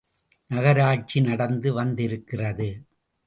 நகராட்சி நடந்து வந்திருக்கிறது!